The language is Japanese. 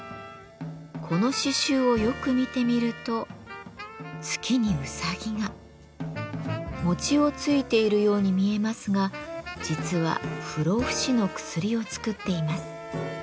この刺繍をよく見てみると月にうさぎが。をついているように見えますが実は不老不死の薬を作っています。